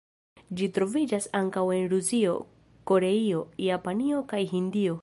Ĝi troviĝas ankaŭ en Rusio, Koreio, Japanio kaj Hindio.